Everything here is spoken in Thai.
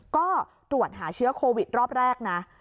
ก็ตรวจหาเชื้อโควิดรอบแรกนะ